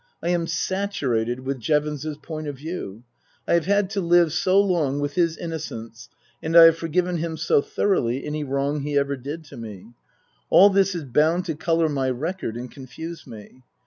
I am saturated with Jevons's point of view. I have had to live so long with his innocence and I have forgiven him so thoroughly any wrong he ever did to me. All this is bound to colour my record and confuse me.